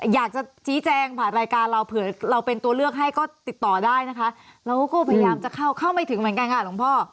อยากจะชี้แจงผ่านรายการเราเผื่อเราเป็นตัวเลือกให้ก็ติดต่อได้นะคะเราก็พยายามจะเข้าเข้าไม่ถึงเหมือนกันค่ะหลวงพ่อ